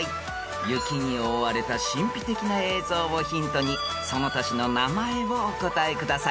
［雪に覆われた神秘的な映像をヒントにその都市の名前をお答えください］